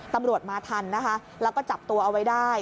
ตำรวจมาทันนะคะแล้วก็จับตัวเอาไว้ได้